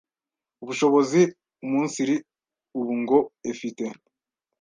ubushobozi, umunsiri ubu ngo efite